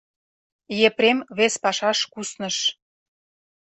Епрем вес пашаш кусныш.